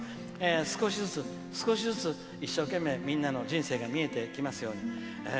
少しずつ、少しずつ一生懸命みんなの人生が見えてきますように。